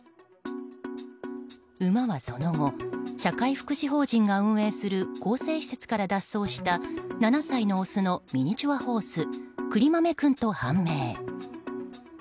馬はその後、社会福祉法人が運営する更生施設から脱走した７歳のオスのミニチュアホースくりまめ君と判明。